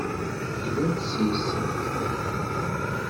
Glant yes-sent.